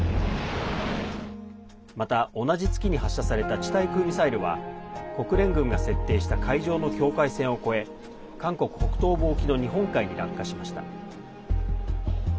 また、同じ月に発射された地対空ミサイルは国連軍が設定した海上の境界線を越え韓国北東部沖の日本海に落下しました。